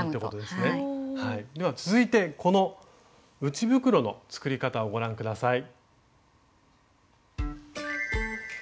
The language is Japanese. では続いてこの内袋の作り方をご覧下さい。